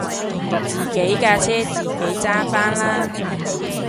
自己架車自己揸返啦